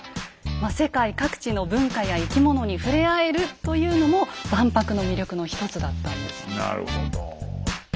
世界各地の文化や生き物に触れ合えるというのも万博の魅力の一つだったんですね。